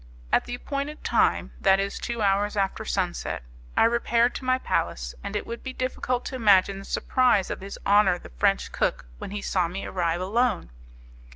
At the appointed time, that is two hours after sunset, I repaired to my palace; and it would be difficult to imagine the surprise of his honour the French cook, when he saw me arrive alone.